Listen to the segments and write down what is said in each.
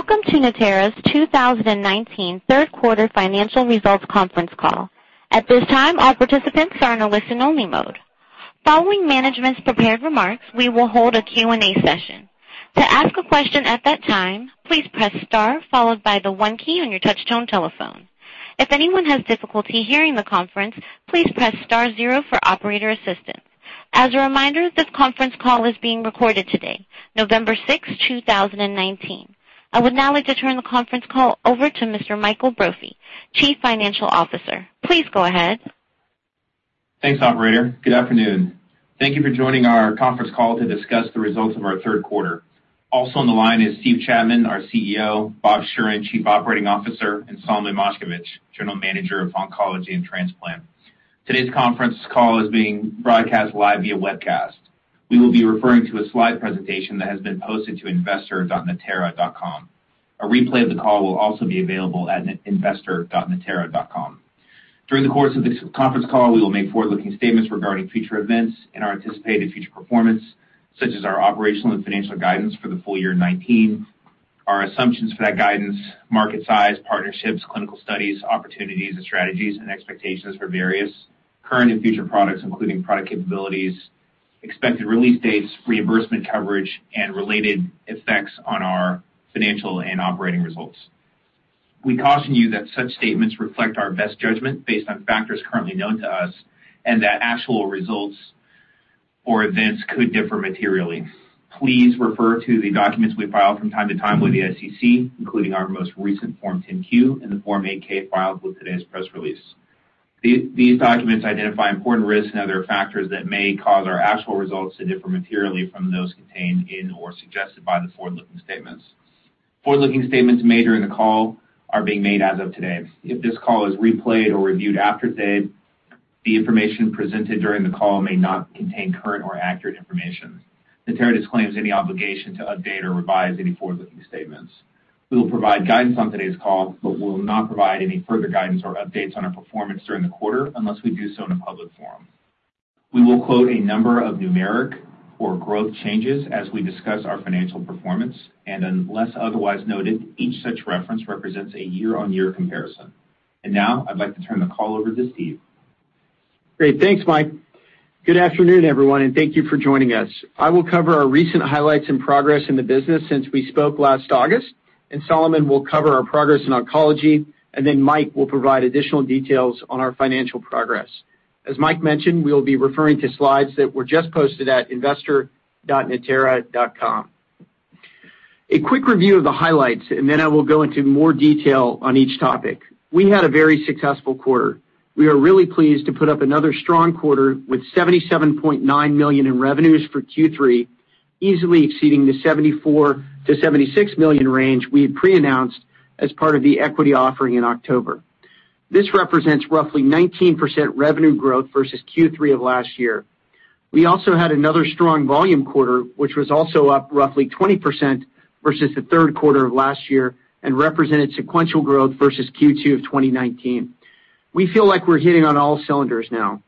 Welcome to Natera's 2019 third quarter financial results conference call. At this time, all participants are in a listen-only mode. Following management's prepared remarks, we will hold a Q&A session. To ask a question at that time, please press star followed by the one key on your touch-tone telephone. If anyone has difficulty hearing the conference, please press star zero for operator assistance. As a reminder, this conference call is being recorded today, November sixth, 2019. I would now like to turn the conference call over to Mr. Michael Brophy, Chief Financial Officer. Please go ahead. Thanks, operator. Good afternoon. Thank you for joining our conference call to discuss the results of our third quarter. Also on the line is Steve Chapman, our CEO, Bob Schueren, Chief Operating Officer, and Solomon Moshkevich, General Manager of Oncology and Transplant. Today's conference call is being broadcast live via webcast. We will be referring to a slide presentation that has been posted to investor.natera.com. A replay of the call will also be available at investor.natera.com. During the course of this conference call, we will make forward-looking statements regarding future events and our anticipated future performance, such as our operational and financial guidance for the full year 2019, our assumptions for that guidance, market size, partnerships, clinical studies, opportunities and strategies and expectations for various current and future products, including product capabilities, expected release dates, reimbursement coverage, and related effects on our financial and operating results. We caution you that such statements reflect our best judgment based on factors currently known to us, and that actual results or events could differ materially. Please refer to the documents we file from time to time with the SEC, including our most recent Form 10-Q and the Form 8-K filed with today's press release. These documents identify important risks and other factors that may cause our actual results to differ materially from those contained in or suggested by the forward-looking statements. Forward-looking statements made during the call are being made as of today. If this call is replayed or reviewed after today, the information presented during the call may not contain current or accurate information. Natera disclaims any obligation to update or revise any forward-looking statements. We will provide guidance on today's call, but we will not provide any further guidance or updates on our performance during the quarter unless we do so in a public forum. We will quote a number of numeric or growth changes as we discuss our financial performance, and unless otherwise noted, each such reference represents a year-on-year comparison. Now I'd like to turn the call over to Steve. Great. Thanks, Mike. Good afternoon, everyone, thank you for joining us. I will cover our recent highlights and progress in the business since we spoke last August, Solomon will cover our progress in oncology, Mike will provide additional details on our financial progress. As Mike mentioned, we'll be referring to slides that were just posted at investor.natera.com. A quick review of the highlights, I will go into more detail on each topic. We had a very successful quarter. We are really pleased to put up another strong quarter with $77.9 million in revenues for Q3, easily exceeding the $74 million-$76 million range we had pre-announced as part of the equity offering in October. This represents roughly 19% revenue growth versus Q3 of last year. We also had another strong volume quarter, which was also up roughly 20% versus the third quarter of last year and represented sequential growth versus Q2 of 2019. We feel like we're hitting on all cylinders now.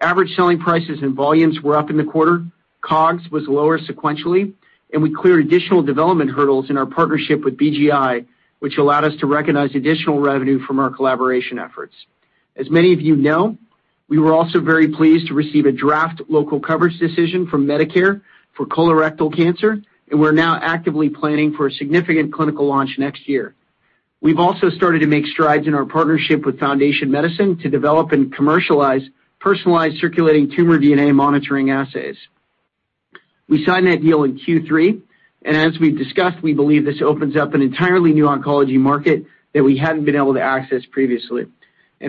Average selling prices and volumes were up in the quarter, COGS was lower sequentially, and we cleared additional development hurdles in our partnership with BGI, which allowed us to recognize additional revenue from our collaboration efforts. As many of you know, we were also very pleased to receive a draft local coverage decision from Medicare for colorectal cancer, and we're now actively planning for a significant clinical launch next year. We've also started to make strides in our partnership with Foundation Medicine to develop and commercialize personalized circulating tumor DNA monitoring assays. We signed that deal in Q3, as we've discussed, we believe this opens up an entirely new oncology market that we hadn't been able to access previously.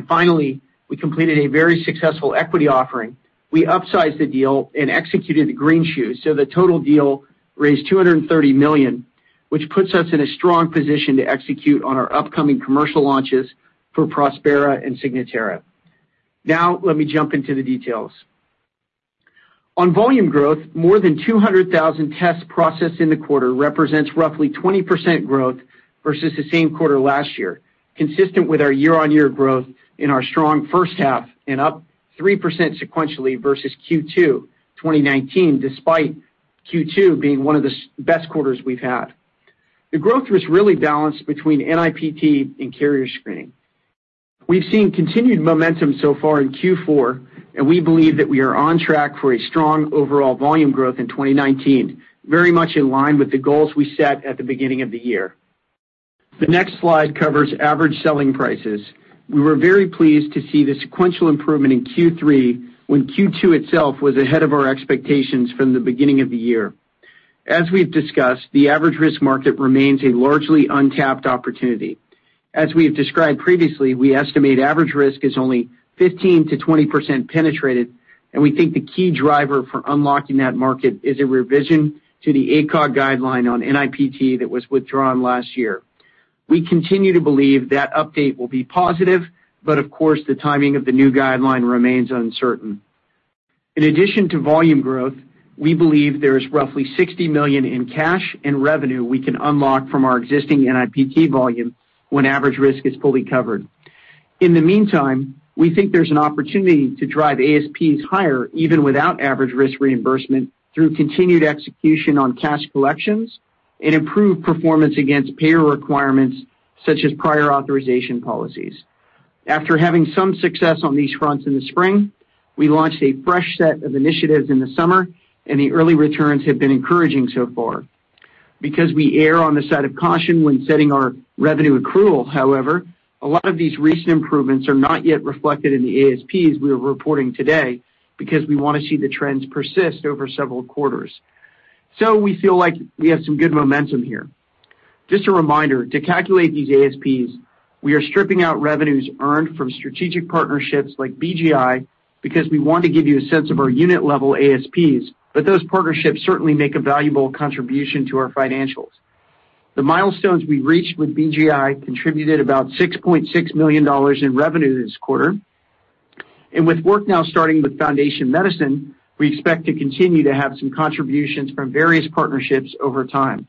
Finally, we completed a very successful equity offering. We upsized the deal and executed the green shoe, so the total deal raised $230 million, which puts us in a strong position to execute on our upcoming commercial launches for Prospera and Signatera. Let me jump into the details. On volume growth, more than 200,000 tests processed in the quarter represents roughly 20% growth versus the same quarter last year, consistent with our year-on-year growth in our strong first half and up 3% sequentially versus Q2 2019, despite Q2 being one of the best quarters we've had. The growth was really balanced between NIPT and carrier screening. We've seen continued momentum so far in Q4. We believe that we are on track for a strong overall volume growth in 2019, very much in line with the goals we set at the beginning of the year. The next slide covers average selling prices. We were very pleased to see the sequential improvement in Q3 when Q2 itself was ahead of our expectations from the beginning of the year. As we've discussed, the average-risk market remains a largely untapped opportunity. As we have described previously, we estimate average risk is only 15%-20% penetrated. We think the key driver for unlocking that market is a revision to the ACOG guideline on NIPT that was withdrawn last year. We continue to believe that update will be positive, of course, the timing of the new guideline remains uncertain. In addition to volume growth, we believe there is roughly $60 million in cash and revenue we can unlock from our existing NIPT volume when average risk is fully covered. In the meantime, we think there's an opportunity to drive ASPs higher, even without average risk reimbursement, through continued execution on cash collections and improved performance against payer requirements, such as prior authorization policies. After having some success on these fronts in the spring, we launched a fresh set of initiatives in the summer, and the early returns have been encouraging so far. We err on the side of caution when setting our revenue accrual, however, a lot of these recent improvements are not yet reflected in the ASPs we are reporting today, because we want to see the trends persist over several quarters. We feel like we have some good momentum here. Just a reminder, to calculate these ASPs, we are stripping out revenues earned from strategic partnerships like BGI because we want to give you a sense of our unit-level ASPs, but those partnerships certainly make a valuable contribution to our financials. The milestones we reached with BGI contributed about $6.6 million in revenue this quarter. With work now starting with Foundation Medicine, we expect to continue to have some contributions from various partnerships over time.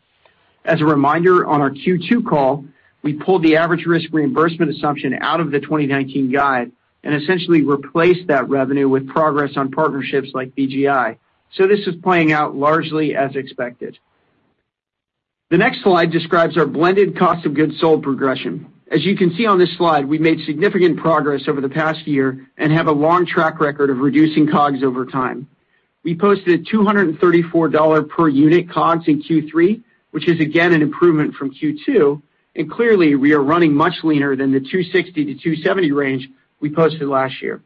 As a reminder, on our Q2 call, we pulled the average risk reimbursement assumption out of the 2019 guide and essentially replaced that revenue with progress on partnerships like BGI. This is playing out largely as expected. The next slide describes our blended cost of goods sold progression. As you can see on this slide, we made significant progress over the past year and have a long track record of reducing COGS over time. We posted $234 per unit COGS in Q3, which is again an improvement from Q2, and clearly, we are running much leaner than the 260 to 270 range we posted last year.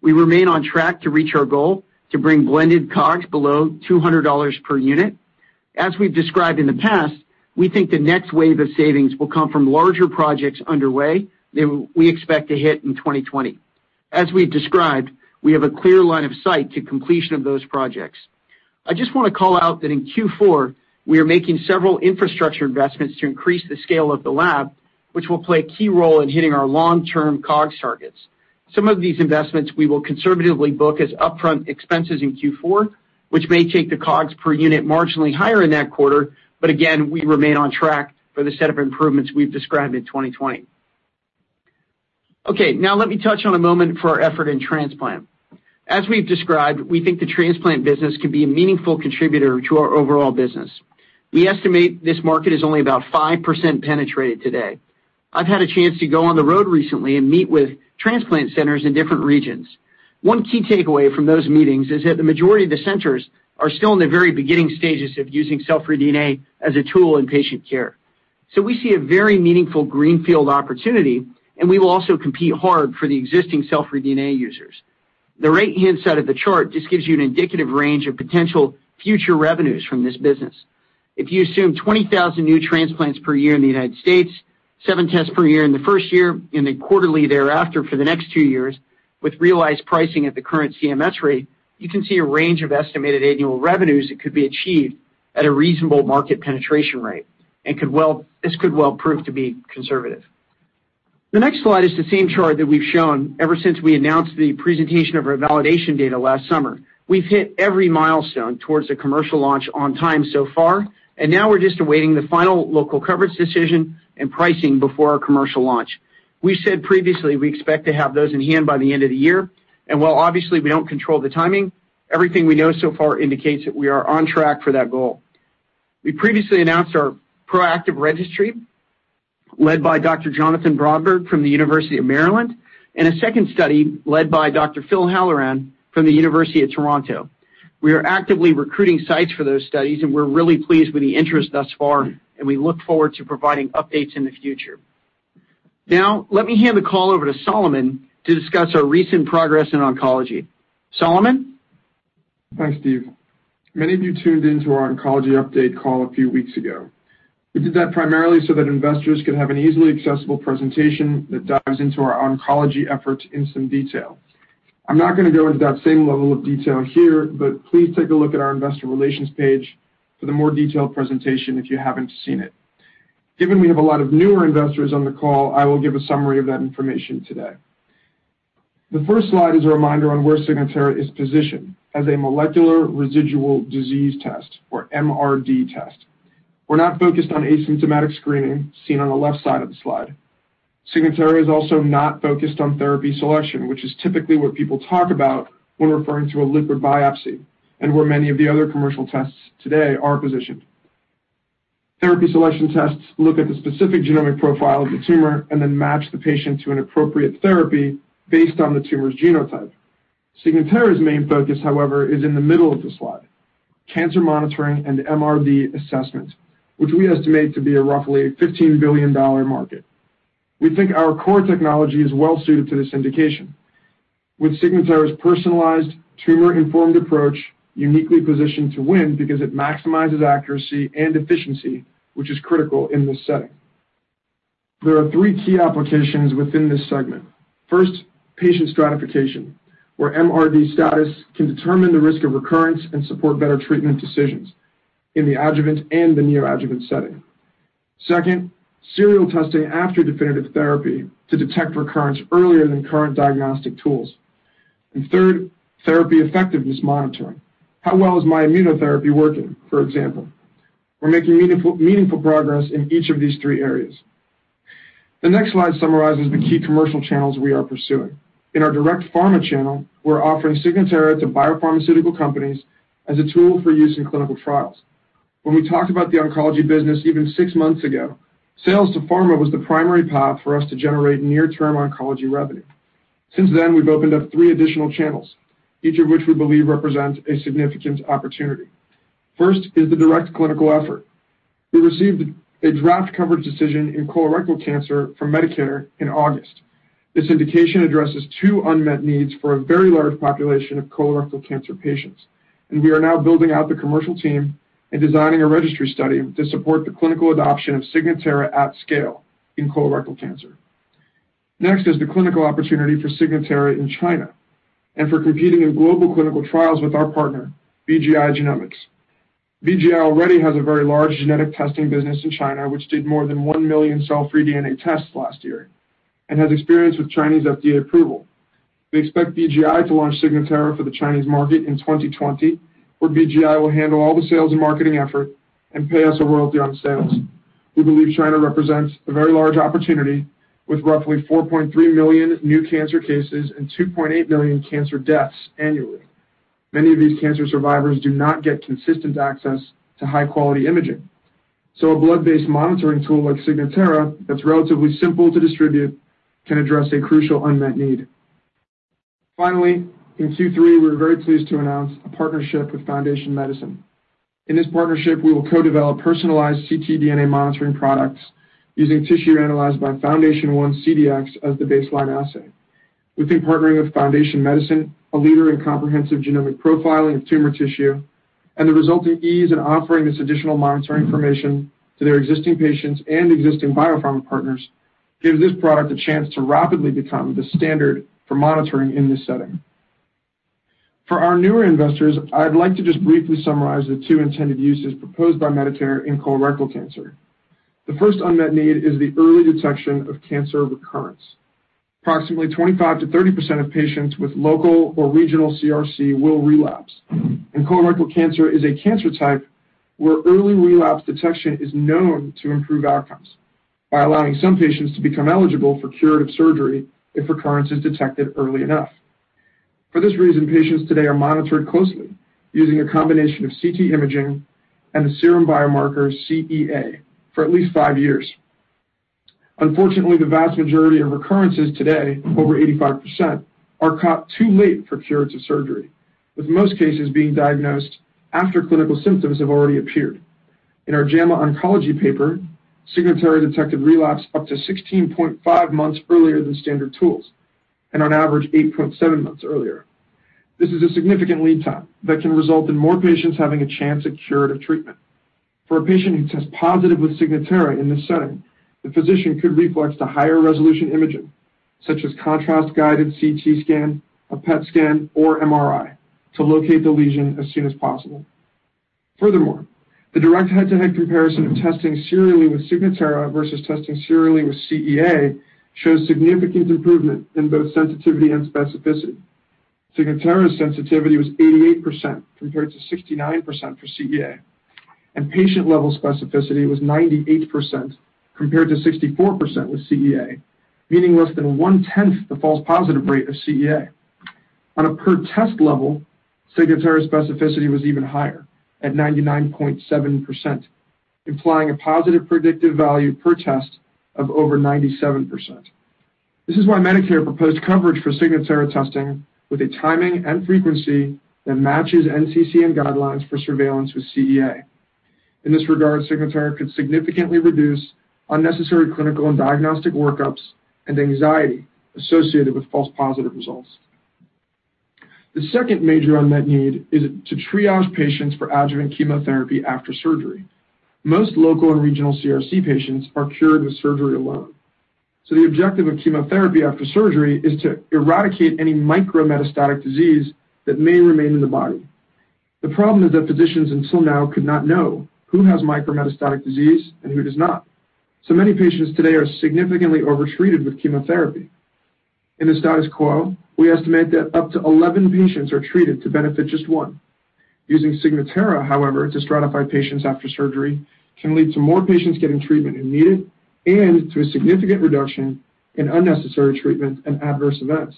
We remain on track to reach our goal to bring blended COGS below $200 per unit. As we've described in the past, we think the next wave of savings will come from larger projects underway that we expect to hit in 2020. As we described, we have a clear line of sight to completion of those projects. I just want to call out that in Q4, we are making several infrastructure investments to increase the scale of the lab, which will play a key role in hitting our long-term COGS targets. Some of these investments we will conservatively book as upfront expenses in Q4, which may take the COGS per unit marginally higher in that quarter. Again, we remain on track for the set of improvements we've described in 2020. Okay. Let me touch on a moment for our effort in transplant. As we've described, we think the transplant business can be a meaningful contributor to our overall business. We estimate this market is only about 5% penetrated today. I've had a chance to go on the road recently and meet with transplant centers in different regions. One key takeaway from those meetings is that the majority of the centers are still in the very beginning stages of using cell-free DNA as a tool in patient care. We see a very meaningful greenfield opportunity, and we will also compete hard for the existing cell-free DNA users. The right-hand side of the chart just gives you an indicative range of potential future revenues from this business. If you assume 20,000 new transplants per year in the U.S., seven tests per year in the first year, and then quarterly thereafter for the next two years, with realized pricing at the current CMS rate, you can see a range of estimated annual revenues that could be achieved at a reasonable market penetration rate. This could well prove to be conservative. The next slide is the same chart that we've shown ever since we announced the presentation of our validation data last summer. Now we've hit every milestone towards a commercial launch on time so far, and we're just awaiting the final local coverage decision and pricing before our commercial launch. We said previously we expect to have those in hand by the end of the year, and while obviously we don't control the timing, everything we know so far indicates that we are on track for that goal. We previously announced our proactive registry led by Dr. Jonathan Bromberg from the University of Maryland, and a second study led by Dr. Phil Halloran from the University of Alberta. We are actively recruiting sites for those studies, and we're really pleased with the interest thus far, and we look forward to providing updates in the future. Let me hand the call over to Solomon to discuss our recent progress in oncology. Solomon? Thanks, Steve. Many of you tuned in to our oncology update call a few weeks ago. We did that primarily so that investors could have an easily accessible presentation that dives into our oncology efforts in some detail. I'm not going to go into that same level of detail here. Please take a look at our investor relations page for the more detailed presentation if you haven't seen it. Given we have a lot of newer investors on the call, I will give a summary of that information today. The first slide is a reminder on where Signatera is positioned as a molecular residual disease test, or MRD test. We're not focused on asymptomatic screening, seen on the left side of the slide. Signatera is also not focused on therapy selection, which is typically what people talk about when referring to a liquid biopsy, and where many of the other commercial tests today are positioned. Therapy selection tests look at the specific genomic profile of the tumor and then match the patient to an appropriate therapy based on the tumor's genotype. Signatera's main focus, however, is in the middle of the slide, cancer monitoring and MRD assessment, which we estimate to be roughly a $15 billion market. We think our core technology is well-suited to this indication, with Signatera's personalized tumor-informed approach uniquely positioned to win because it maximizes accuracy and efficiency, which is critical in this setting. There are three key applications within this segment. First, patient stratification, where MRD status can determine the risk of recurrence and support better treatment decisions in the adjuvant and the neoadjuvant setting. Second, serial testing after definitive therapy to detect recurrence earlier than current diagnostic tools. Third, therapy effectiveness monitoring. How well is my immunotherapy working, for example? We're making meaningful progress in each of these three areas. The next slide summarizes the key commercial channels we are pursuing. In our direct pharma channel, we're offering Signatera to biopharmaceutical companies as a tool for use in clinical trials. When we talked about the oncology business even six months ago, sales to pharma was the primary path for us to generate near-term oncology revenue. Since then, we've opened up three additional channels, each of which we believe represents a significant opportunity. First is the direct clinical effort. We received a draft coverage decision in colorectal cancer from Medicare in August. This indication addresses two unmet needs for a very large population of colorectal cancer patients. We are now building out the commercial team and designing a registry study to support the clinical adoption of Signatera at scale in colorectal cancer. Next is the clinical opportunity for Signatera in China and for competing in global clinical trials with our partner, BGI Genomics. BGI already has a very large genetic testing business in China, which did more than 1 million cell-free DNA tests last year, and has experience with Chinese FDA approval. We expect BGI to launch Signatera for the Chinese market in 2020, where BGI will handle all the sales and marketing effort and pay us a royalty on sales. We believe China represents a very large opportunity, with roughly 4.3 million new cancer cases and 2.8 million cancer deaths annually. Many of these cancer survivors do not get consistent access to high-quality imaging. A blood-based monitoring tool like Signatera that's relatively simple to distribute can address a crucial unmet need. Finally, in Q3, we were very pleased to announce a partnership with Foundation Medicine. In this partnership, we will co-develop personalized ctDNA monitoring products using tissue analyzed by FoundationOne CDx as the baseline assay. We think partnering with Foundation Medicine, a leader in comprehensive genomic profiling of tumor tissue, and the resulting ease in offering this additional monitoring information to their existing patients and existing biopharma partners, gives this product a chance to rapidly become the standard for monitoring in this setting. For our newer investors, I'd like to just briefly summarize the two intended uses proposed by Medicare in colorectal cancer. The first unmet need is the early detection of cancer recurrence. Approximately 25%-30% of patients with local or regional CRC will relapse, and colorectal cancer is a cancer type where early relapse detection is known to improve outcomes by allowing some patients to become eligible for curative surgery if recurrence is detected early enough. For this reason, patients today are monitored closely using a combination of CT imaging and the serum biomarker CEA for at least five years. Unfortunately, the vast majority of recurrences today, over 85%, are caught too late for curative surgery, with most cases being diagnosed after clinical symptoms have already appeared. In our JAMA Oncology paper, Signatera detected relapse up to 16.5 months earlier than standard tools, and on average 8.7 months earlier. This is a significant lead time that can result in more patients having a chance at curative treatment. For a patient who tests positive with Signatera in this setting, the physician could reflex to higher resolution imaging, such as contrast-guided CT scan, a PET scan, or MRI to locate the lesion as soon as possible. Furthermore, the direct head-to-head comparison of testing serially with Signatera versus testing serially with CEA shows significant improvement in both sensitivity and specificity. Signatera's sensitivity was 88% compared to 69% for CEA, and patient-level specificity was 98% compared to 64% with CEA, meaning less than one-tenth the false positive rate of CEA. On a per-test level, Signatera's specificity was even higher, at 99.7%, implying a positive predictive value per test of over 97%. This is why Medicare proposed coverage for Signatera testing with a timing and frequency that matches NCCN guidelines for surveillance with CEA. In this regard, Signatera could significantly reduce unnecessary clinical and diagnostic workups and anxiety associated with false positive results. The second major unmet need is to triage patients for adjuvant chemotherapy after surgery. Most local and regional CRC patients are cured with surgery alone. The objective of chemotherapy after surgery is to eradicate any micrometastatic disease that may remain in the body. The problem is that physicians until now could not know who has micrometastatic disease and who does not. Many patients today are significantly over-treated with chemotherapy. In the status quo, we estimate that up to 11 patients are treated to benefit just one. Using Signatera, however, to stratify patients after surgery can lead to more patients getting treatment who need it and to a significant reduction in unnecessary treatment and adverse events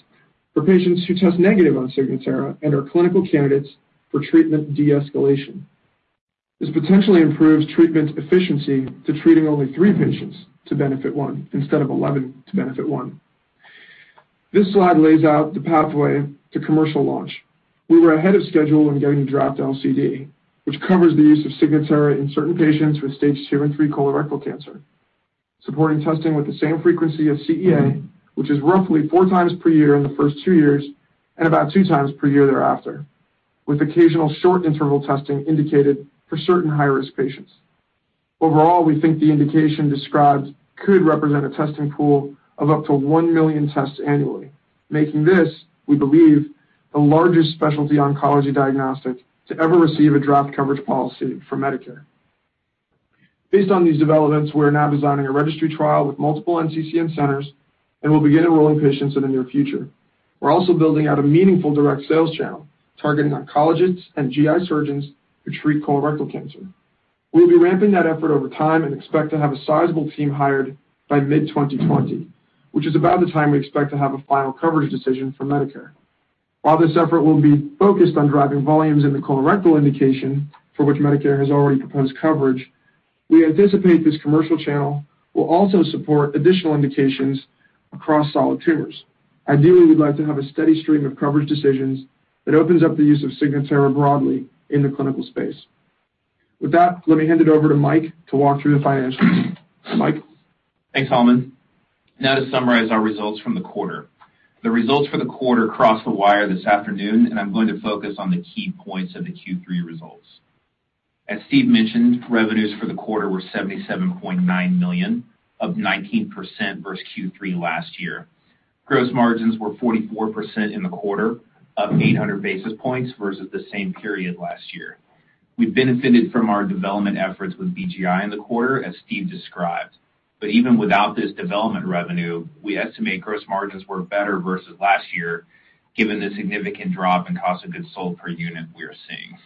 for patients who test negative on Signatera and are clinical candidates for treatment de-escalation. This potentially improves treatment efficiency to treating only 3 patients to benefit one instead of 11 to benefit one. This slide lays out the pathway to commercial launch. We were ahead of schedule in getting a draft LCD, which covers the use of Signatera in certain patients with stage II and III colorectal cancer, supporting testing with the same frequency as CEA, which is roughly 4 times per year in the first 2 years and about 2 times per year thereafter, with occasional short interval testing indicated for certain high-risk patients. Overall, we think the indication described could represent a testing pool of up to 1 million tests annually, making this, we believe, the largest specialty oncology diagnostic to ever receive a draft coverage policy for Medicare. Based on these developments, we're now designing a registry trial with multiple NCCN centers, and we'll begin enrolling patients in the near future. We're also building out a meaningful direct sales channel targeting oncologists and GI surgeons who treat colorectal cancer. We'll be ramping that effort over time and expect to have a sizable team hired by mid-2020, which is about the time we expect to have a final coverage decision for Medicare. This effort will be focused on driving volumes in the colorectal indication, for which Medicare has already proposed coverage, we anticipate this commercial channel will also support additional indications across solid tumors. Ideally, we'd like to have a steady stream of coverage decisions that opens up the use of Signatera broadly in the clinical space. With that, let me hand it over to Mike to walk through the financials. Mike? Thanks, Solomon. To summarize our results from the quarter. The results for the quarter crossed the wire this afternoon. I'm going to focus on the key points of the Q3 results. As Steve mentioned, revenues for the quarter were $77.9 million, up 19% versus Q3 last year. Gross margins were 44% in the quarter, up 800 basis points versus the same period last year. We benefited from our development efforts with BGI in the quarter, as Steve described. Even without this development revenue, we estimate gross margins were better versus last year, given the significant drop in cost of goods sold per unit we are seeing.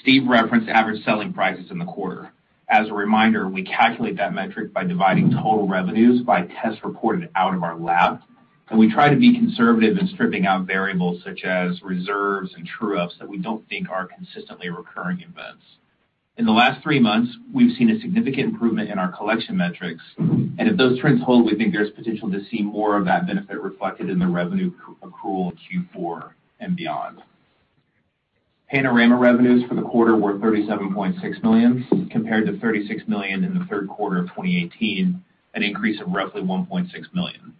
Steve referenced average selling prices in the quarter. As a reminder, we calculate that metric by dividing total revenues by tests reported out of our lab, and we try to be conservative in stripping out variables such as reserves and true-ups that we don't think are consistently recurring events. In the last three months, we've seen a significant improvement in our collection metrics, and if those trends hold, we think there's potential to see more of that benefit reflected in the revenue accrual in Q4 and beyond. Panorama revenues for the quarter were $37.6 million, compared to $36 million in the third quarter of 2018, an increase of roughly $1.6 million.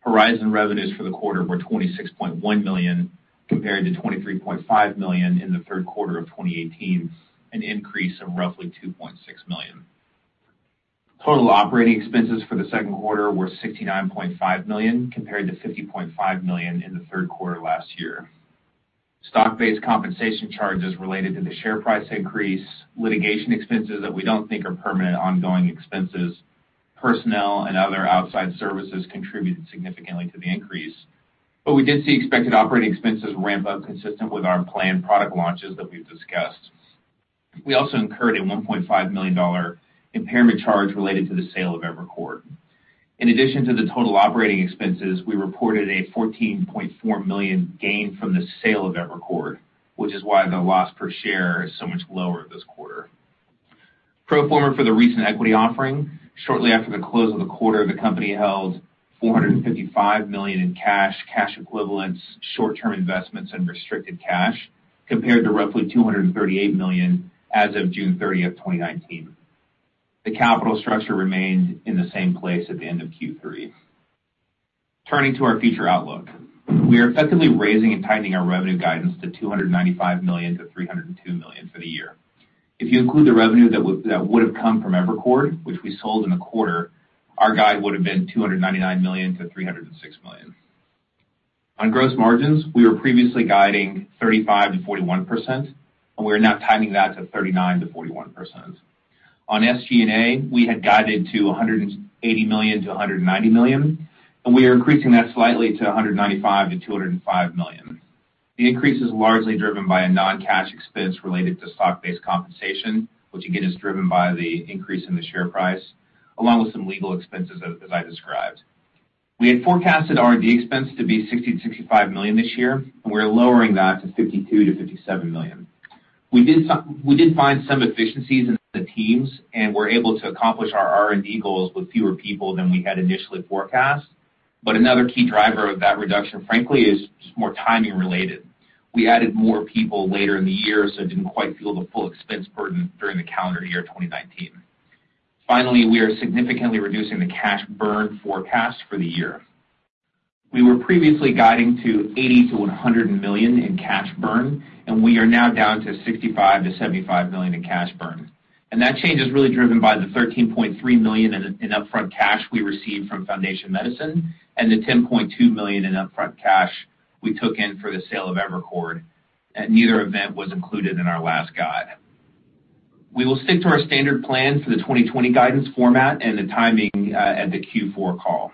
Horizon revenues for the quarter were $26.1 million, compared to $23.5 million in the third quarter of 2018, an increase of roughly $2.6 million. Total operating expenses for the second quarter were $69.5 million, compared to $50.5 million in the third quarter last year. Stock-based compensation charges related to the share price increase, litigation expenses that we don't think are permanent ongoing expenses, personnel and other outside services contributed significantly to the increase, but we did see expected operating expenses ramp up consistent with our planned product launches that we've discussed. We also incurred a $1.5 million impairment charge related to the sale of Evercord. In addition to the total operating expenses, we reported a $14.4 million gain from the sale of Evercord, which is why the loss per share is so much lower this quarter. Pro forma for the recent equity offering, shortly after the close of the quarter, the company held $455 million in cash equivalents, short-term investments, and restricted cash, compared to roughly $238 million as of June 30th, 2019. The capital structure remains in the same place at the end of Q3. Turning to our future outlook. We are effectively raising and tightening our revenue guidance to $295 million-$302 million for the year. If you include the revenue that would've come from Evercord, which we sold in a quarter, our guide would've been $299 million-$306 million. On gross margins, we were previously guiding 35%-41%, we are now tightening that to 39%-41%. On SG&A, we had guided to $180 million-$190 million, we are increasing that slightly to $195 million-$205 million. The increase is largely driven by a non-cash expense related to stock-based compensation, which again, is driven by the increase in the share price, along with some legal expenses as I described. We had forecasted R&D expense to be $60 million-$65 million this year, we're lowering that to $52 million-$57 million. We did find some efficiencies in the teams. We're able to accomplish our R&D goals with fewer people than we had initially forecast. Another key driver of that reduction, frankly, is just more timing related. We added more people later in the year, so it didn't quite feel the full expense burden during the calendar year 2019. Finally, we are significantly reducing the cash burn forecast for the year. We were previously guiding to $80 million-$100 million in cash burn. We are now down to $65 million-$75 million in cash burn. That change is really driven by the $13.3 million in upfront cash we received from Foundation Medicine and the $10.2 million in upfront cash we took in for the sale of Evercord. Neither event was included in our last guide. We will stick to our standard plan for the 2020 guidance format and the timing at the Q4 call.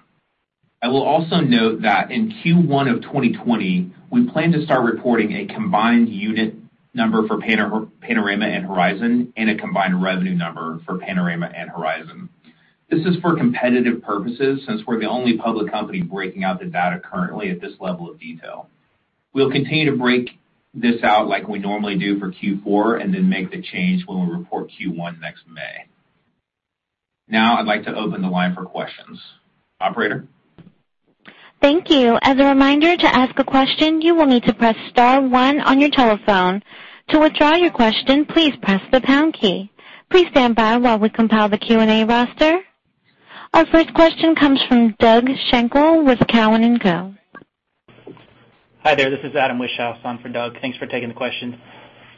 I will also note that in Q1 of 2020, we plan to start reporting a combined unit number for Panorama and Horizon and a combined revenue number for Panorama and Horizon. This is for competitive purposes since we're the only public company breaking out the data currently at this level of detail. We'll continue to break this out like we normally do for Q4 and then make the change when we report Q1 next May. Now I'd like to open the line for questions. Operator? Thank you. As a reminder, to ask a question, you will need to press *1 on your telephone. To withdraw your question, please press the # key. Please stand by while we compile the Q&A roster. Our first question comes from Doug Schenkel with Cowen and Co. Hi there. This is Adam Wieschhaus, on for Doug. Thanks for taking the question.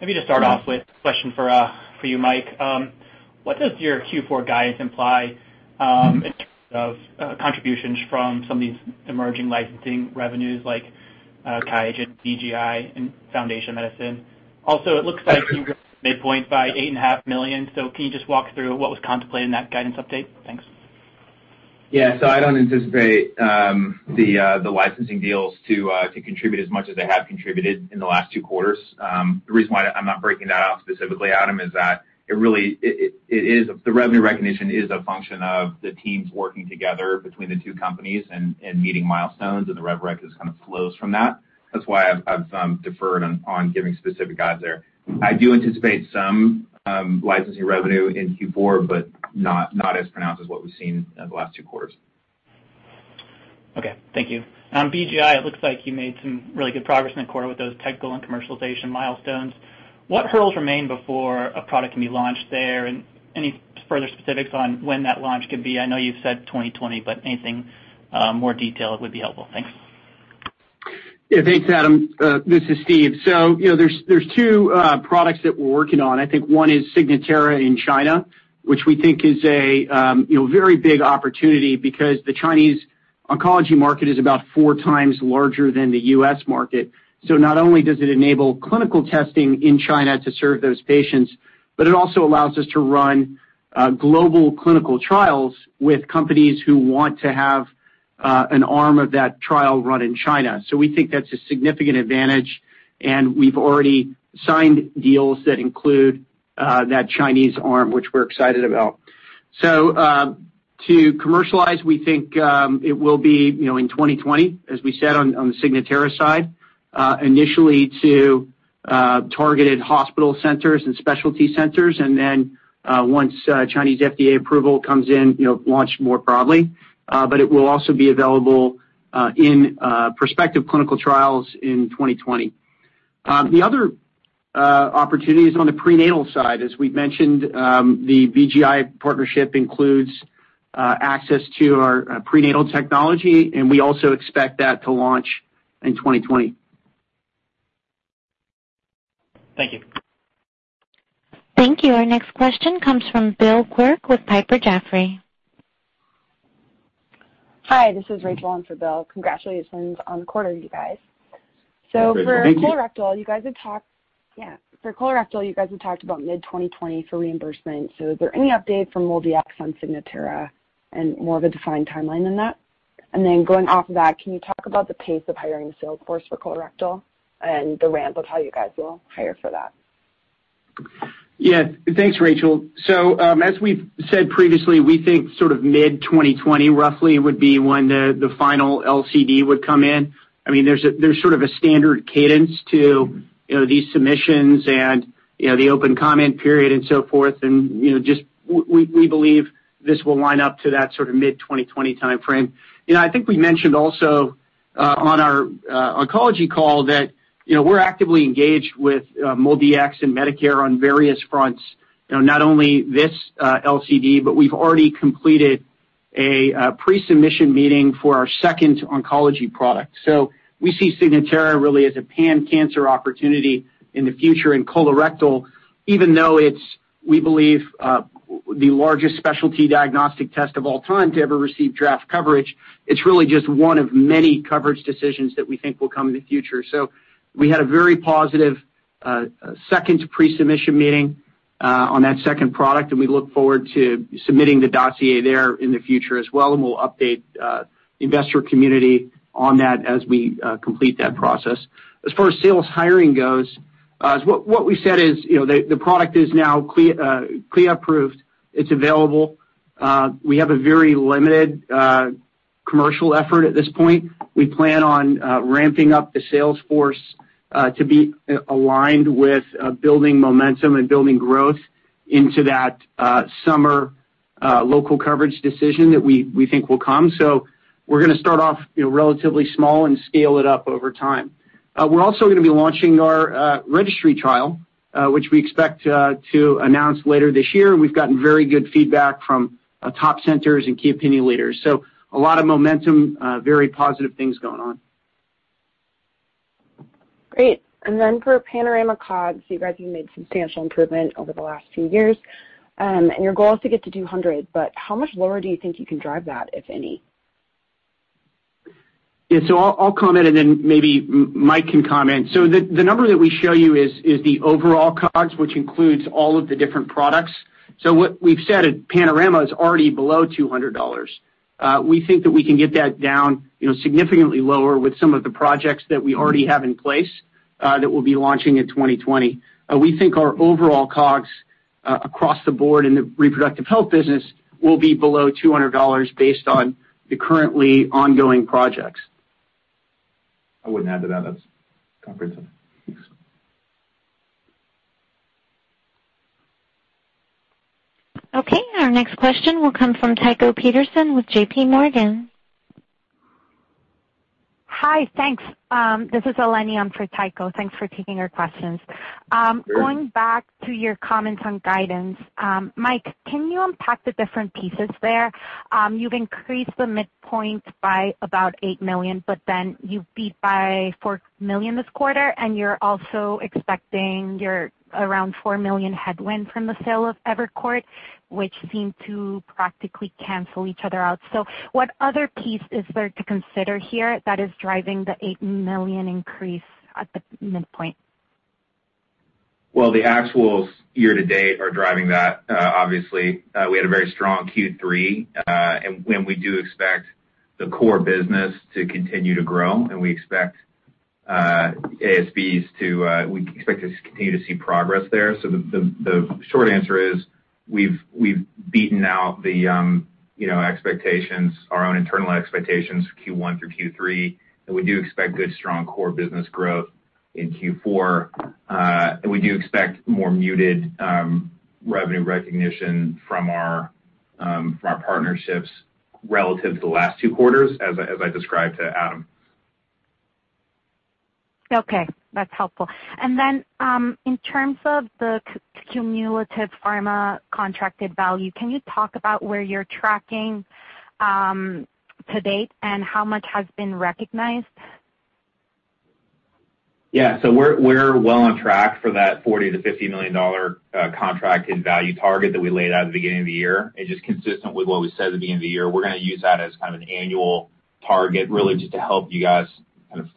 Maybe to start off with a question for you, Mike. What does your Q4 guidance imply of contributions from some of these emerging licensing revenues like QIAGEN, BGI and Foundation Medicine. Also, it looks like you midpoint by $8.5 million. Can you just walk through what was contemplated in that guidance update? Thanks. Yeah. I don't anticipate the licensing deals to contribute as much as they have contributed in the last two quarters. The reason why I'm not breaking that out specifically, Adam, is that the revenue recognition is a function of the teams working together between the two companies and meeting milestones, and the rev rec just kind of flows from that. That's why I've deferred on giving specific guidance there. I do anticipate some licensing revenue in Q4, but not as pronounced as what we've seen in the last two quarters. Okay. Thank you. BGI, it looks like you made some really good progress in the quarter with those technical and commercialization milestones. What hurdles remain before a product can be launched there? Any further specifics on when that launch could be? I know you've said 2020, anything more detailed would be helpful. Thanks. Yeah. Thanks, Adam. This is Steve. You know, there's two products that we're working on. I think one is Signatera in China, which we think is a, you know, very big opportunity because the Chinese oncology market is about four times larger than the U.S. market. Not only does it enable clinical testing in China to serve those patients, but it also allows us to run global clinical trials with companies who want to have an arm of that trial run in China. We think that's a significant advantage, and we've already signed deals that include that Chinese arm, which we're excited about. To commercialize, we think, it will be, you know, in 2020, as we said on the Signatera side. Initially to targeted hospital centers and specialty centers and then once Chinese FDA approval comes in, you know, launch more broadly. It will also be available in prospective clinical trials in 2020. The other opportunity is on the prenatal side. As we've mentioned, the BGI partnership includes access to our prenatal technology, and we also expect that to launch in 2020. Thank you. Thank you. Our next question comes from Bill Quirk with Piper Jaffray. Hi, this is Rachel in for Bill. Congratulations on the quarter, you guys. Thank you. For colorectal, you guys have talked about mid-2020 for reimbursement. Is there any update from MolDX on Signatera and more of a defined timeline than that? Going off of that, can you talk about the pace of hiring sales force for colorectal and the ramp of how you guys will hire for that? Thanks, Rachel. As we've said previously, we think sort of mid-2020 roughly would be when the final LCD would come in. I mean, there's sort of a standard cadence to, you know, these submissions and, you know, the open comment period and so forth. You know, just we believe this will line up to that sort of mid-2020 timeframe. You know, I think we mentioned also on our oncology call that, you know, we're actively engaged with MolDX and Medicare on various fronts. You know, not only this LCD, but we've already completed a pre-submission meeting for our second oncology product. We see Signatera really as a pan-cancer opportunity in the future in colorectal, even though it's, we believe, the largest specialty diagnostic test of all time to ever receive draft coverage. It's really just one of many coverage decisions that we think will come in the future. We had a very positive second pre-submission meeting on that second product, and we look forward to submitting the dossier there in the future as well, and we'll update the investor community on that as we complete that process. As far as sales hiring goes, you know, the product is now CLIA approved. It's available. We have a very limited commercial effort at this point. We plan on ramping up the sales force to be aligned with building momentum and building growth into that summer local coverage decision that we think will come. We're gonna start off, you know, relatively small and scale it up over time. We're also gonna be launching our registry trial, which we expect to announce later this year. We've gotten very good feedback from top centers and key opinion leaders. A lot of momentum, very positive things going on. Great. For Panorama COGS, you guys have made substantial improvement over the last few years. Your goal is to get to $200, but how much lower do you think you can drive that, if any? Yeah. I'll comment, and then maybe Mike can comment. The number that we show you is the overall COGS, which includes all of the different products. What we've said at Panorama is already below $200. We think that we can get that down, you know, significantly lower with some of the projects that we already have in place that we'll be launching in 2020. We think our overall COGS across the board in the reproductive health business will be below $200 based on the currently ongoing projects. I wouldn't add to that. That's comprehensive. Thanks. Okay. Our next question will come from Tycho Peterson with J.P. Morgan. Hi. Thanks. This is Eleni in for Tycho. Thanks for taking our questions. Going back to your comments on guidance, Mike, can you unpack the different pieces there? You've increased the midpoint by about $8 million, but then you've beat by $4 million this quarter, and you're also expecting around $4 million headwind from the sale of Evercord, which seem to practically cancel each other out. What other piece is there to consider here that is driving the $8 million increase at the midpoint? The actuals year to date are driving that. Obviously, we had a very strong Q3, and we do expect the core business to continue to grow, and we expect ASPs to continue to see progress there. The short answer is we've beaten out our own internal expectations for Q1 through Q3, and we do expect good, strong core business growth in Q4. We do expect more muted revenue recognition from our partnerships relative to the last two quarters, as I described to Adam. Okay, that's helpful. In terms of the cumulative pharma contracted value, can you talk about where you're tracking to date and how much has been recognized? Yeah. We're well on track for that $40 million-$50 million contracted value target that we laid out at the beginning of the year. Just consistent with what we said at the beginning of the year, we're going to use that as an annual target, really just to help you guys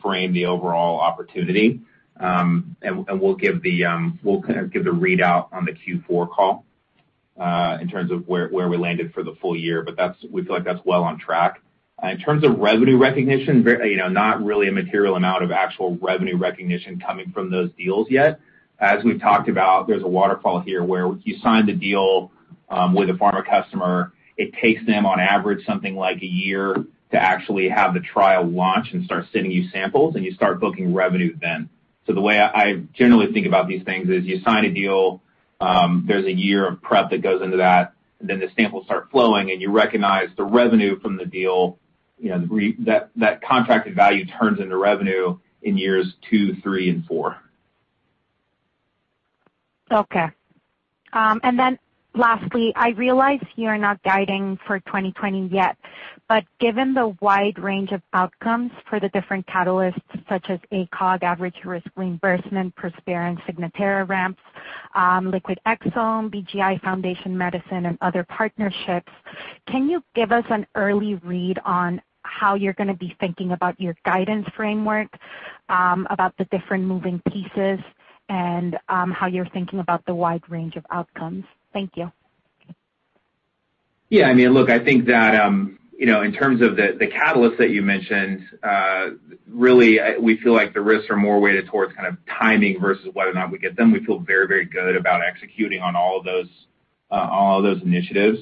frame the overall opportunity. We'll give the readout on the Q4 call in terms of where we landed for the full year, we feel like that's well on track. In terms of revenue recognition, not really a material amount of actual revenue recognition coming from those deals yet. As we've talked about, there's a waterfall here where you sign the deal with a pharma customer, it takes them, on average, something like a year to actually have the trial launch and start sending you samples, and you start booking revenue then. The way I generally think about these things is you sign a deal, there's a year of prep that goes into that, then the samples start flowing, and you recognize the revenue from the deal. That contracted value turns into revenue in years two, three, and four. Okay. Lastly, I realize you're not guiding for 2020 yet, but given the wide range of outcomes for the different catalysts such as ACOG, average risk reimbursement, Prospera and Signatera ramps, liquid exome, BGI Foundation Medicine, and other partnerships, can you give us an early read on how you're going to be thinking about your guidance framework about the different moving pieces and how you're thinking about the wide range of outcomes? Thank you. Yeah. Look, I think that in terms of the catalyst that you mentioned, really, we feel like the risks are more weighted towards timing versus whether or not we get them. We feel very good about executing on all of those initiatives.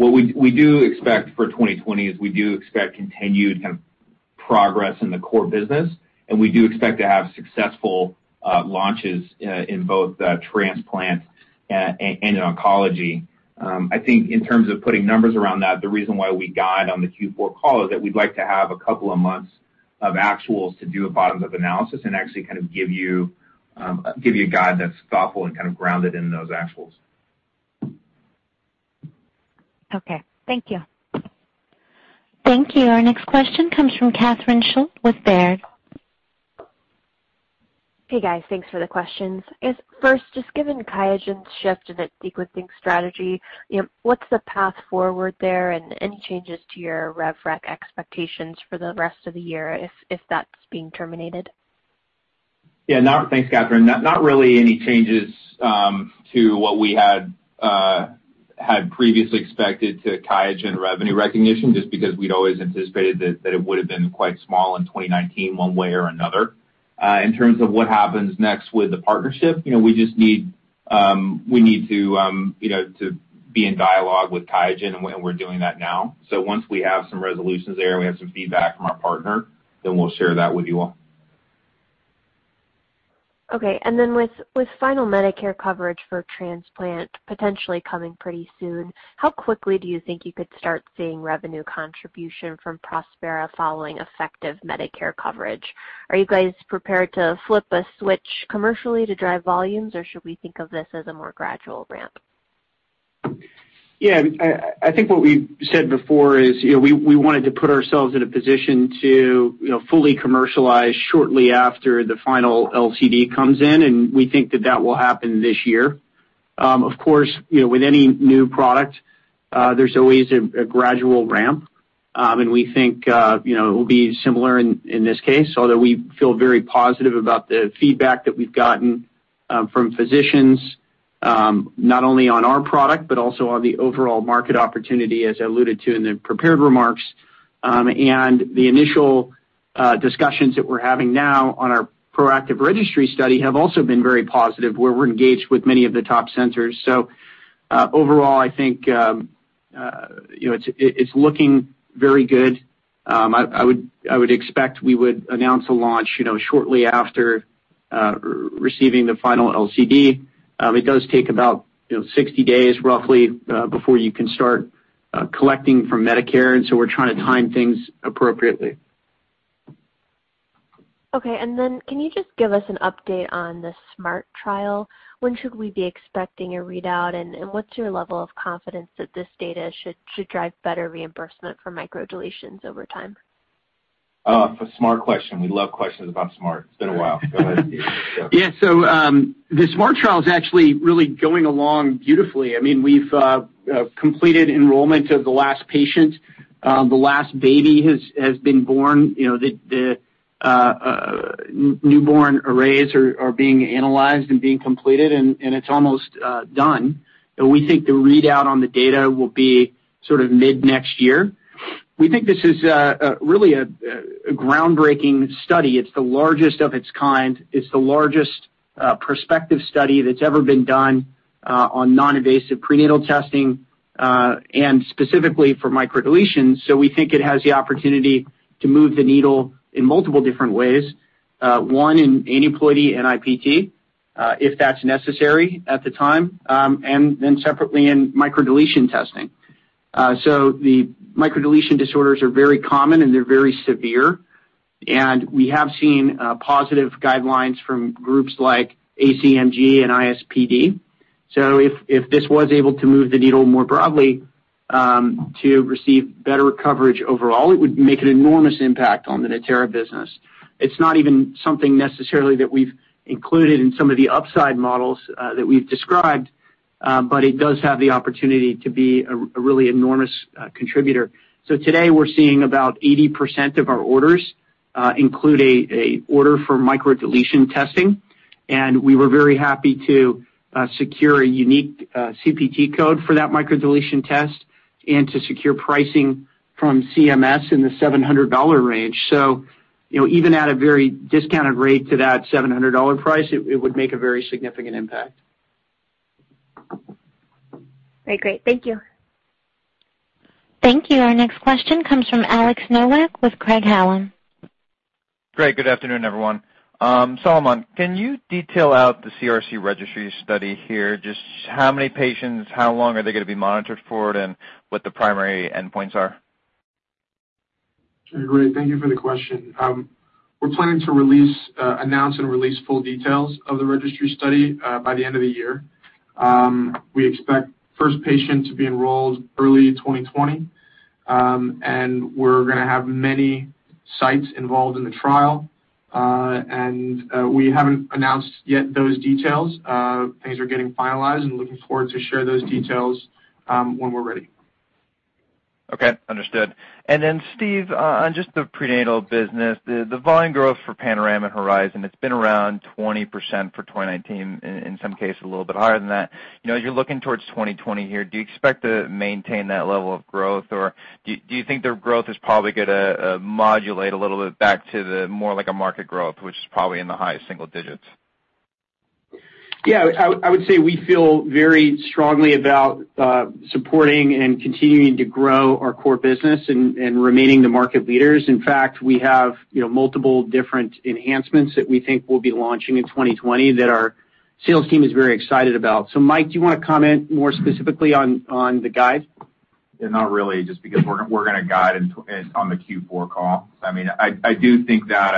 What we do expect for 2020 is we do expect continued progress in the core business, and we do expect to have successful launches in both transplant and in oncology. I think in terms of putting numbers around that, the reason why we guide on the Q4 call is that we'd like to have a couple of months of actuals to do a bottoms-up analysis and actually give you a guide that's thoughtful and grounded in those actuals. Okay. Thank you. Thank you. Our next question comes from Catherine Schulte with Baird. Hey, guys. Thanks for the questions. First, just given QIAGEN's shift in its sequencing strategy, what's the path forward there? Any changes to your rev rec expectations for the rest of the year if that's being terminated? Yeah. Thanks, Catherine. Not really any changes to what we had previously expected to QIAGEN revenue recognition, just because we'd always anticipated that it would have been quite small in 2019 one way or another. In terms of what happens next with the partnership, we need to be in dialogue with QIAGEN, and we're doing that now. Once we have some resolutions there and we have some feedback from our partner, then we'll share that with you all. Okay. With final Medicare coverage for transplant potentially coming pretty soon, how quickly do you think you could start seeing revenue contribution from Prospera following effective Medicare coverage? Are you guys prepared to flip a switch commercially to drive volumes, or should we think of this as a more gradual ramp? Yeah. I think what we said before is we wanted to put ourselves in a position to fully commercialize shortly after the final LCD comes in, and we think that that will happen this year. Of course, with any new product, there's always a gradual ramp, and we think it will be similar in this case, although we feel very positive about the feedback that we've gotten from physicians, not only on our product, but also on the overall market opportunity, as I alluded to in the prepared remarks. The initial discussions that we're having now on our proactive registry study have also been very positive, where we're engaged with many of the top centers. Overall, I think it's looking very good. I would expect we would announce a launch shortly after receiving the final LCD. It does take about 60 days, roughly, before you can start collecting from Medicare. We're trying to time things appropriately. Okay. Can you just give us an update on the SMART trial? When should we be expecting a readout, and what's your level of confidence that this data should drive better reimbursement for microdeletions over time? A SMART question. We love questions about SMART. It's been a while. Go ahead, Steve. Yeah. The SMART trial is actually really going along beautifully. We've completed enrollment of the last patient. The last baby has been born. The newborn arrays are being analyzed and being completed, and it's almost done. We think the readout on the data will be sort of mid-next year. We think this is really a groundbreaking study. It's the largest of its kind. It's the largest prospective study that's ever been done on non-invasive prenatal testing, and specifically for microdeletions. We think it has the opportunity to move the needle in multiple different ways. One, in aneuploidy and NIPT, if that's necessary at the time, and then separately in microdeletion testing. The microdeletion disorders are very common, and they're very severe. We have seen positive guidelines from groups like ACMG and ISPD. If this was able to move the needle more broadly to receive better coverage overall, it would make an enormous impact on the Natera business. It's not even something necessarily that we've included in some of the upside models that we've described, but it does have the opportunity to be a really enormous contributor. Today, we're seeing about 80% of our orders include an order for microdeletion testing, and we were very happy to secure a unique CPT code for that microdeletion test and to secure pricing from CMS in the $700 range. Even at a very discounted rate to that $700 price, it would make a very significant impact. Very great. Thank you. Thank you. Our next question comes from Alex Nowak with Craig-Hallum. Good afternoon, everyone. Solomon, can you detail out the CRC registry study here? Just how many patients, how long are they going to be monitored for it, and what the primary endpoints are? Sure. Great. Thank you for the question. We're planning to announce and release full details of the registry study by the end of the year. We expect first patient to be enrolled early 2020. We're going to have many sites involved in the trial. We haven't announced yet those details. Things are getting finalized and looking forward to share those details when we're ready. Okay. Understood. Then Steve, on just the prenatal business, the volume growth for Panorama and Horizon, it's been around 20% for 2019, in some cases a little bit higher than that. As you're looking towards 2020 here, do you expect to maintain that level of growth, or do you think the growth is probably going to modulate a little bit back to the more like a market growth, which is probably in the highest single digits? Yeah, I would say we feel very strongly about supporting and continuing to grow our core business and remaining the market leaders. In fact, we have multiple different enhancements that we think we'll be launching in 2020 that our sales team is very excited about. Mike, do you want to comment more specifically on the guide? Not really, just because we're going to guide on the Q4 call. I do think that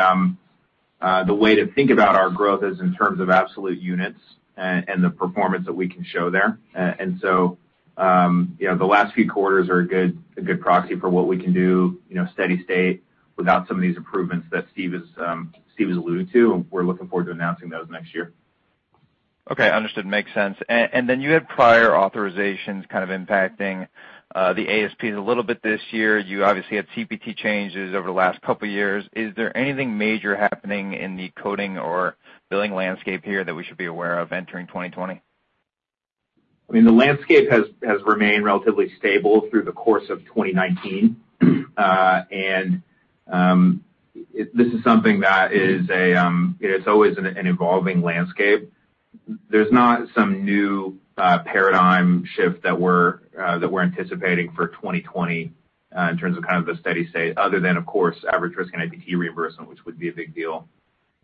the way to think about our growth is in terms of absolute units and the performance that we can show there. The last few quarters are a good proxy for what we can do steady state without some of these improvements that Steve has alluded to. We're looking forward to announcing those next year. Okay, understood. Makes sense. Then you had prior authorizations kind of impacting the ASPs a little bit this year. You obviously had CPT changes over the last couple of years. Is there anything major happening in the coding or billing landscape here that we should be aware of entering 2020? The landscape has remained relatively stable through the course of 2019. This is something that is always an evolving landscape. There's not some new paradigm shift that we're anticipating for 2020 in terms of kind of a steady state, other than, of course, average-risk NIPT reimbursement, which would be a big deal.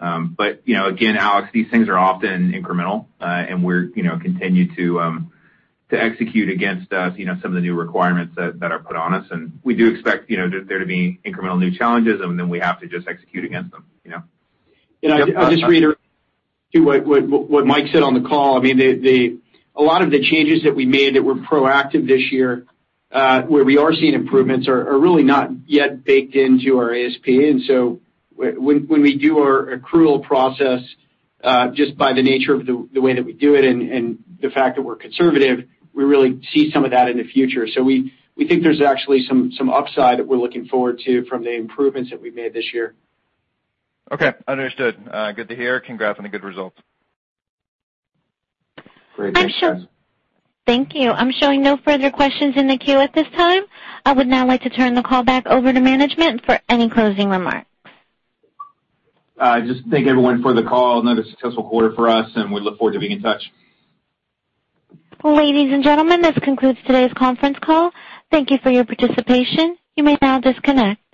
Again, Alex, these things are often incremental, and we continue to execute against some of the new requirements that are put on us, and we do expect there to be incremental new challenges, and then we have to just execute against them. I'll just reiterate what Mike said on the call. A lot of the changes that we made that were proactive this year, where we are seeing improvements, are really not yet baked into our ASP. When we do our accrual process, just by the nature of the way that we do it and the fact that we're conservative, we really see some of that in the future. We think there's actually some upside that we're looking forward to from the improvements that we've made this year. Okay. Understood. Good to hear. Congrats on the good results. Great. Thank you. I'm showing no further questions in the queue at this time. I would now like to turn the call back over to management for any closing remarks. Just thank everyone for the call. Another successful quarter for us, and we look forward to being in touch. Ladies and gentlemen, this concludes today's conference call. Thank you for your participation. You may now disconnect.